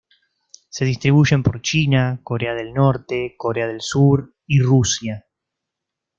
Se distribuyen por China, Corea del Norte, Corea del Sur, y Rusia.